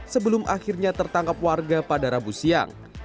sebelum akhirnya tertangkap warga pada rabu siang